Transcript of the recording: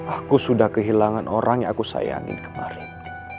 aku sudah kehilangan orang yang aku sayangin kemarin